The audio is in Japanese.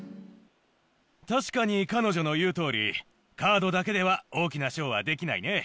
確かに彼女の言う通りカードだけでは大きなショーはできないね。